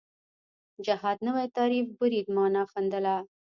جهاد نوی تعریف برید معنا ښندله